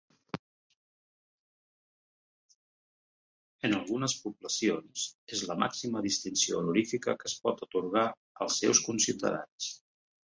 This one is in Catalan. En algunes poblacions, és la màxima distinció honorífica que es pot atorgar als seus conciutadans.